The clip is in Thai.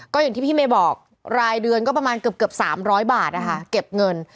ก็อย่างที่พี่เมย์บอกรายเดือนก็ประมาณเกือบ๓๐๐บาทนะคะเก็บเงิน